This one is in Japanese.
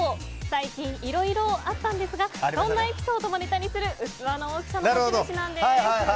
最近いろいろあったんですがそんなエピソードもネタにする器の大きさの持ち主です。